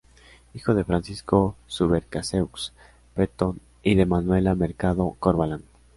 Hijo de Francisco Subercaseaux Breton y de Manuela Mercado Corvalán.